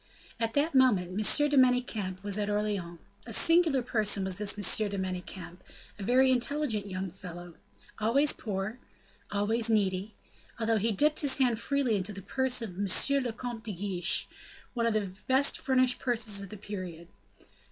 At that moment, M. de Manicamp was at Orleans. A singular person was this M. de Manicamp; a very intelligent young fellow, always poor, always needy, although he dipped his hand freely into the purse of M. le Comte de Guiche, one of the best furnished purses of the period.